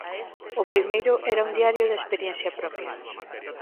O primeiro era un diario da experiencia propia.